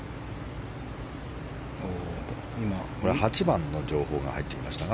８番の情報が入ってきました。